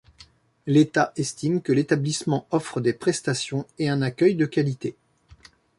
L’État estime que l'établissement offre des prestations et un accueil de qualité.